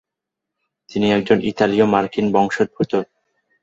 তিনি একজন ইতালীয় মার্কিন বংশোদ্ভূত।